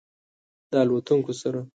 د الوتونکو سره